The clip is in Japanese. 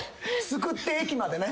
すくって駅までね。